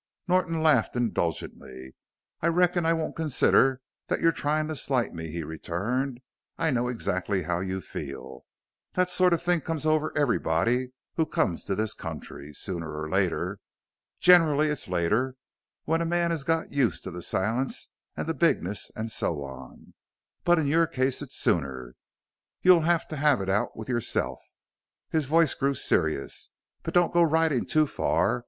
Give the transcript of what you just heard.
Norton laughed indulgently. "I reckon I won't consider that you're trying to slight me," he returned. "I know exactly how you feel; that sort of thing comes over everybody who comes to this country sooner or later. Generally it's later, when a man has got used to the silence an' the bigness an' so on. But in your case it's sooner. You'll have to have it out with yourself." His voice grew serious. "But don't go ridin' too far.